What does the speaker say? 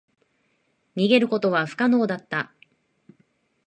逃げることは不可能だった。